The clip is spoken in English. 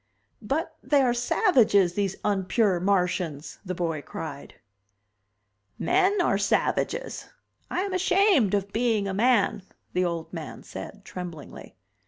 "But they are savages, these unpure Martians," the boy cried. "Men are savages. I am ashamed of being a man," the old man said, tremblingly.